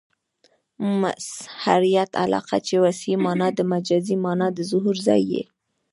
مظهریت علاقه؛ چي وضعي مانا د مجازي مانا د ظهور ځای يي.